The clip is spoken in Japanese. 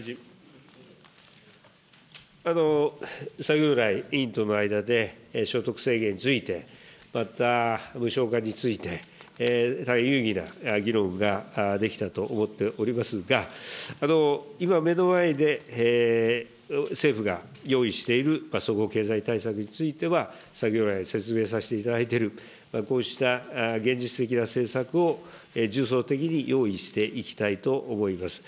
先ほど来、委員との間で、所得制限について、また無償化について、大変有意義な議論ができたと思っておりますが、今、目の前で政府が用意している総合経済対策については、先ほど来、説明させていただいている、こうした現実的な政策を重層的に用意していきたいと思います。